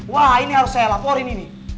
wah ini harus saya laporin ini